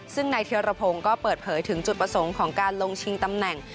ซึ่งนายเทียรพงศ์ก็เปิดเผยถึงจุดประสงค์ของการลงชิงตำแหน่ง